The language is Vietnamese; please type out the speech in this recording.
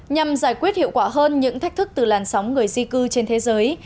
nhằm giải quyết hiệu quả hơn những thách thức từ làn sóng người di cư trên thế giới